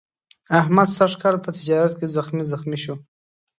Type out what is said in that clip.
احمد سږ کال په تجارت کې زخمي زخمي شو.